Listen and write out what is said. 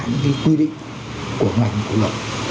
những quy định của ngành của lộ